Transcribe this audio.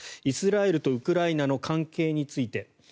イスラエルとウクライナの関係について。